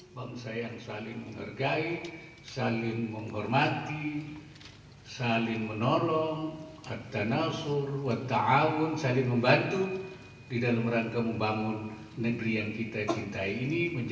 bersama bapak pakuri habib